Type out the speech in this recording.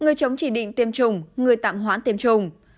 người chống chỉ định tiêm chủng người tạm hoãn tiêm chủng